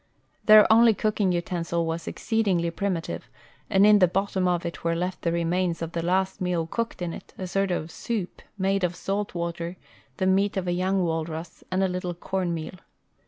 Their only cooking utensil Avas exceed ingly primitive, and in the bottom of it Avere left the remains of the last meal cooked in it, a sort of soup, made of salt Avater, the meat of a young Avalrus, and a little corn meal.